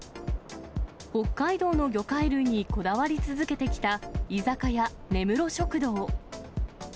北海道の魚介類にこだわり続けてきた居酒屋、根室食堂。